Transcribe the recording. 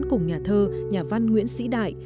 cùng nhà thơ nhà văn nguyễn sĩ đại